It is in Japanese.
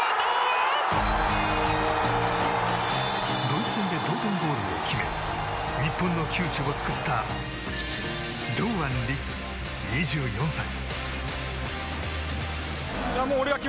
ドイツ戦で同点ゴールを決め日本の窮地を救った堂安律、２４歳。